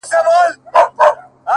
د ژوندانه كارونه پاته رانه ـ